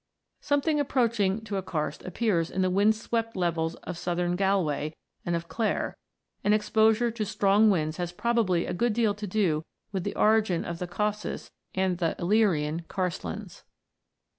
Something approaching to a karst appears in the wind swept levels of southern Gal way and of Clare, and exposure to strong winds has probably a good deal to do with the origin of the Gausses and the Illyrian karstlands.